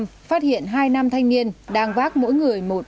phát hiện hai nam thanh niên đang vác mỗi người một